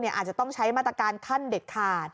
อาจจะต้องใช้มาตรการท่านเดคาท